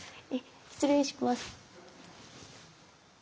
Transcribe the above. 失礼します。